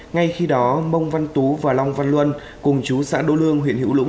ngay khi đó mông văn tú và long văn luân cùng chú xã đô lương huyện hữu lũng